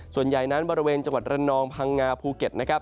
ส่วนใหญ่นั้นบริเวณจังหวัดระนองพังงาภูเก็ตนะครับ